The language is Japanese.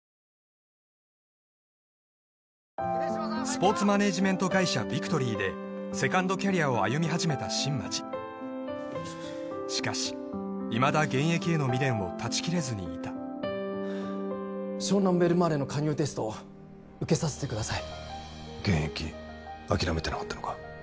スポーツマネージメント会社ビクトリーでセカンドキャリアを歩み始めた新町しかしいまだ現役への未練を断ち切れずにいた湘南ベルマーレの加入テストを受けさせてください現役諦めてなかったのか？